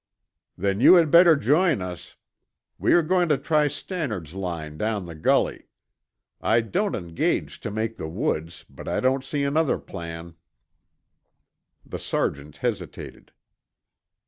"Then you had better join us. We are going to try Stannard's line down the gully. I don't engage to make the woods, but I don't see another plan." The sergeant hesitated.